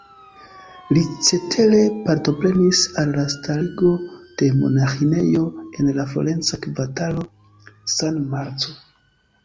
Li cetere partoprenis al la starigo de monaĥinejo en la florenca kvartalo San Marco.